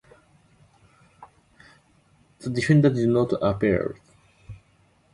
The defenders did not appear.